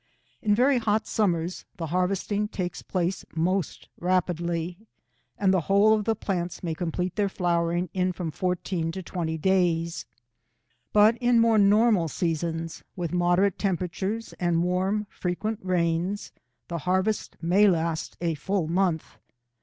In very hot summers the harvesting takes place most rapidly, and the whole of the plants may complete their flowering in from fourteen to twenty days ; but in more normal seasons, with moderate temperatures and warm, frequent rains, the harvest may last a full month.